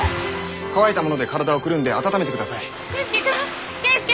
乾いたもので体をくるんで温めてください。